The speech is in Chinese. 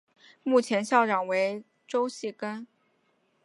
目前校长为周戏庚。